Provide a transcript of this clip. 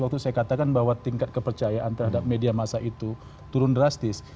waktu saya katakan bahwa tingkat kepercayaan terhadap media masa itu turun drastis